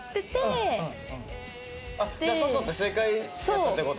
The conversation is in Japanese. じゃあ誘って正解だったって事？